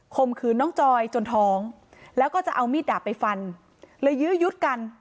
มขืนน้องจอยจนท้องแล้วก็จะเอามีดดาบไปฟันเลยยื้อยุดกัน